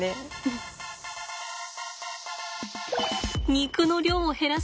肉の量を減らし